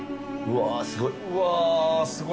うわすごい。